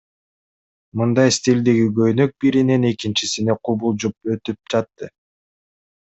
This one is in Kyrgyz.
Мындай стилдеги көйнөк биринен экинчисине кубулжуп өтүп жатты.